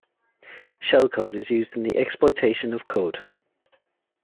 Shellcode is used in the exploitation of code.